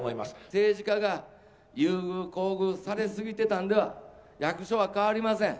政治家が優遇・厚遇され過ぎてたんでは、役所は変わりません。